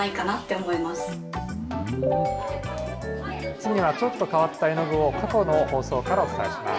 次はちょっと変わった絵の具を、過去の放送からお伝えします。